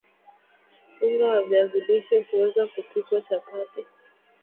unga wa viazi lishe huweza kupikwa chapati